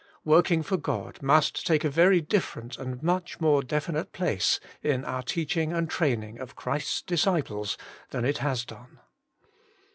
Working for God must take a very different and much more definite place in our teach ing and training of Christ's disciples than it has done.